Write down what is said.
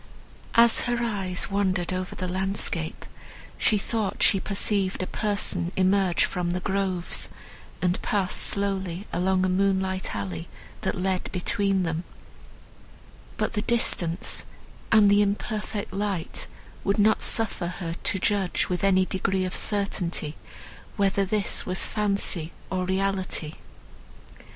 As her eyes wandered over the landscape she thought she perceived a person emerge from the groves, and pass slowly along a moonlight alley that led between them; but the distance, and the imperfect light would not suffer her to judge with any degree of certainty whether this was fancy or reality.